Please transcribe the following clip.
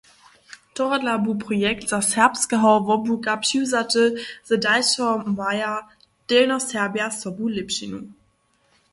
Tohodla bu projekt ze serbskeho wobłuka přiwzaty, z dalšeho maja Delnjoserbja sobu lěpšinu.